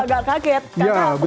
saya juga agak kaget